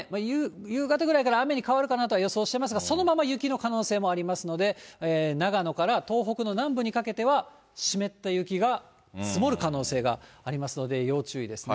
夕方ぐらいから雨に変わるかなとは予想してますが、そのまま雪の可能性もありますので、長野から東北の南部にかけては、湿った雪が積もる可能性がありますので要注意ですね。